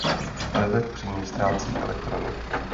Prvek při ní ztrácí elektrony.